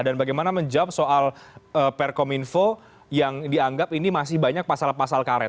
dan bagaimana menjawab soal pemkom info yang dianggap ini masih banyak pasal pasal karet